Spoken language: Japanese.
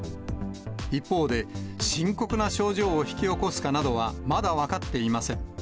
一方で、深刻な症状を引き起こすかなどは、まだ分かっていません。